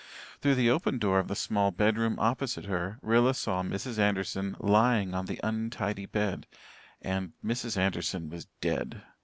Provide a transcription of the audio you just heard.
Through the open door of the small bedroom opposite her, Rilla saw Mrs. Anderson lying on the untidy bed; and Mrs. Anderson was dead.